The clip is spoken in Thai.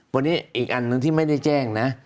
วันนี้อีกอันหนึ่งที่ไม่ได้แจ้งนะ